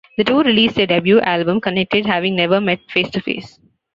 The two released their debut album, "Connected", having never met face to face.